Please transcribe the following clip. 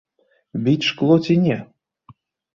Біць шкло ці не?